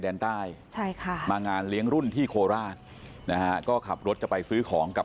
แดนใต้ใช่ค่ะมางานเลี้ยงรุ่นที่โคราชนะฮะก็ขับรถจะไปซื้อของกับ